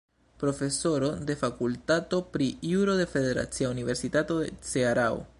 Profesoro de Fakultato pri Juro de Federacia Universitato de Cearao.